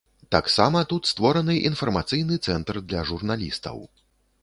Таксама тут створаны інфармацыйны цэнтр для журналістаў.